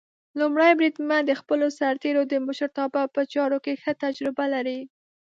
لومړی بریدمن د خپلو سرتېرو د مشرتابه په چارو کې ښه تجربه لري.